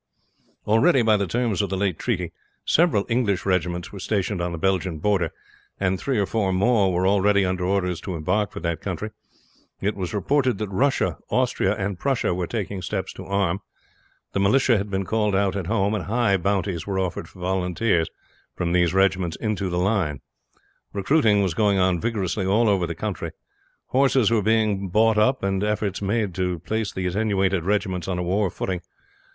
Already, by the terms of the late treaty, several English regiments were stationed on the Belgian frontier, and three or four more were already under orders to embark for that country. It was reported that Russia, Austria, and Prussia were taking steps to arm. The militia had been called out at home, and high bounties were offered for volunteers from these regiments into the line. Recruiting was going on vigorously all over the country. Horses were being bought up, and efforts made to place the attenuated regiments on a war footing.